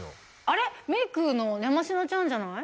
あれメイクの山科ちゃんじゃない？